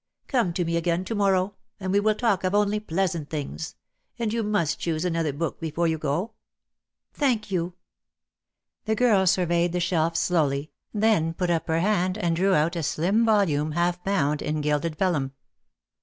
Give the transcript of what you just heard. ,■ "Come to me again to morrow; and we will talk of only pleasant things. And you must choose an other book before you go." "Thank you." The girl surveyed the shelf slowly, then put up her hand and drew out a slim volume half bound in gilded vellum.